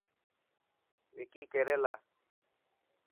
وڪي ڪيريلا.